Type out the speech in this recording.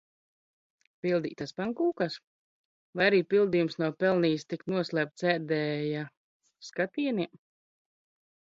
Pildītas pankūkas? Vai arī pildījums nav pelnījis tikt noslēpts ēdēja skatieniem?